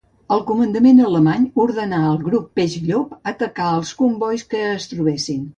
El comandament alemany ordenà al Grup Peix Llop atacar els combois que es trobessin.